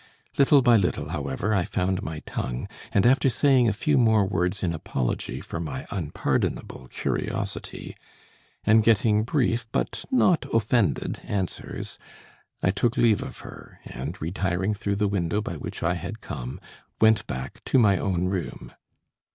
Little by little, however, I found my tongue, and after saying a few more words in apology for my unpardonable curiosity, and getting brief but not offended answers, I took leave of her, and, retiring through the window by which I had come, went back to my own room.